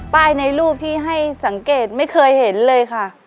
ในรูปที่ให้สังเกตไม่เคยเห็นเลยค่ะ